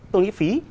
tôi nghĩ phí